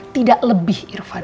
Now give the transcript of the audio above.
tidak lebih irfan